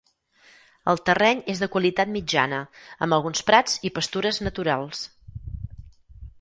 El terreny és de qualitat mitjana, amb alguns prats i pastures naturals.